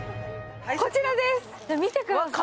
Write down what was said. こちらです。